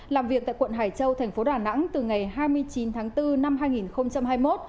làm việc tại quận hải châu thành phố đà nẵng từ ngày hai mươi chín tháng bốn năm hai nghìn hai mươi một